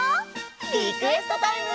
リクエストタイム！